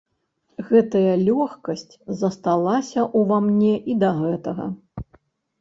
Гэтая лёгкасць засталася ўва мне і да гэтага.